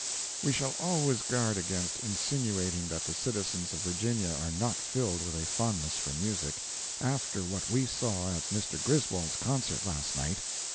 —We shall always guard against insinuating that the citizens of Virginia are not filled with a fondness for music, after what we saw at Mr. Griswold's Concert last night.